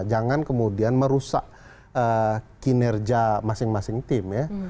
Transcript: jangan kemudian merusak kinerja masing masing tim ya